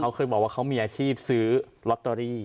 เขาเคยบอกว่าเขามีอาชีพซื้อลอตเตอรี่